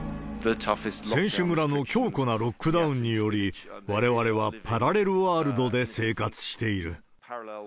選手村の強固なロックダウンにより、われわれはパラレルワールドで生活している。